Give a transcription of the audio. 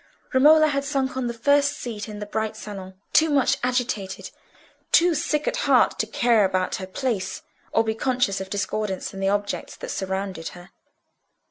Romola had sunk on the first seat in the bright saloon, too much agitated, too sick at heart, to care about her place, or be conscious of discordance in the objects that surrounded her.